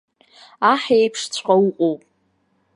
Аҳ еиԥшҵәҟьа уҟоуп.